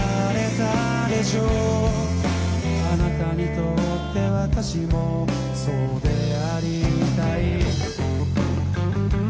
「あなたにとって私もそうでありたい」